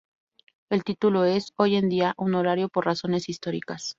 El título es, hoy en día, honorario por razones históricas.